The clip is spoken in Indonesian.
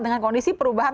dengan kondisi perubahan